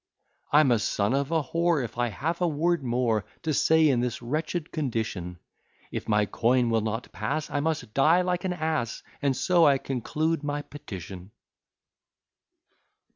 I'm a son of a whore If I have a word more To say in this wretched condition. If my coin will not pass, I must die like an ass; And so I conclude my petition.